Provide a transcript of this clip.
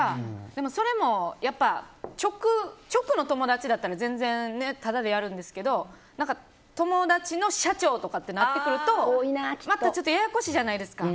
でも、それも直の友達だったら全然タダでやるんですけど友達の社長とかってなってくるとまたちょっとややこしいじゃないですか。